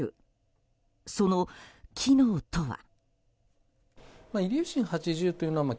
その機能とは。